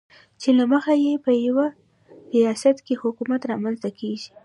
چې له مخې یې په یوه ریاست کې حکومت رامنځته کېږي.